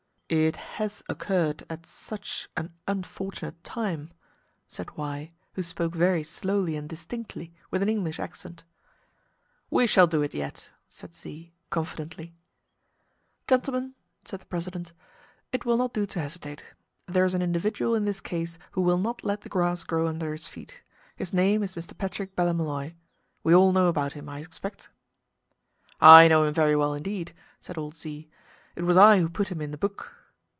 "It has occurred at such an unfortunate time," said Y, who spoke very slowly and distinctly, with an English accent. "We shall do it yet," said Z, confidently. "Gentlemen," said the president, "it will not do to hesitate. There is an individual in this case who will not let the grass grow under his feet. His name is Mr. Patrick Ballymolloy. We all know about him, I expect?" "I know him very well indeed," said old Z. "It was I who put him in the book."